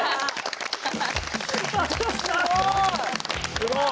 すごい。